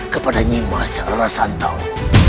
kepada nyimah selera santang